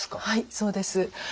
はいそうです。